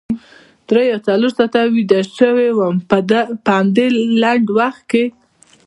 درې یا څلور ساعته ویده شوې وم په همدې لنډ وخت کې.